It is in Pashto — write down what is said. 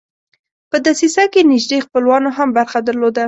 په دسیسه کې نیژدې خپلوانو هم برخه درلوده.